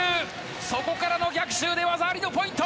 そこからの逆襲で技ありのポイント！